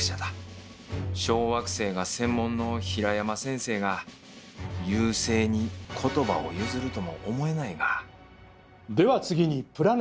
小惑星が専門の平山先生が「遊星」に言葉を譲るとも思えないがでは次に「プラネット」。